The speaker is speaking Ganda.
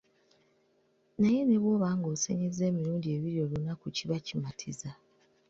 Naye ne bw'oba ng'osenyezza emirundi ebiri olunaku kiba kimatiza.